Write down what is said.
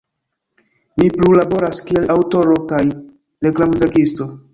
Mi plu laboras kiel aŭtoro kaj reklamverkisto.